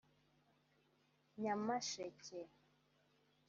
Nyamasheke